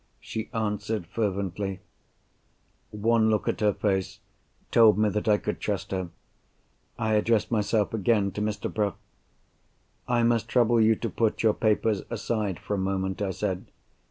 she answered fervently. One look at her face told me that I could trust her. I addressed myself again to Mr. Bruff. "I must trouble you to put your papers aside for a moment," I said.